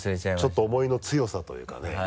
ちょっと思いの強さというかね